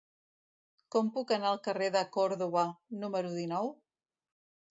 Com puc anar al carrer de Còrdova número dinou?